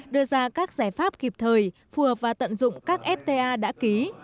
đưa ra các giải pháp kịp thời phù hợp và tận dụng các fta đã ký